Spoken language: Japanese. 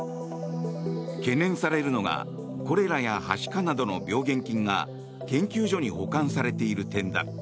懸念されるのがコレラやはしかなどの病原菌が研究所に保管されている点だ。